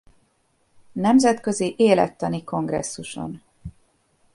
Nemzetközi Élettani Kongresszuson.